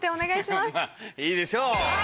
まぁいいでしょう。